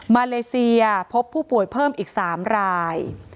มาเลเซียพบผู้ป่วยเพิ่มอีก๓ราย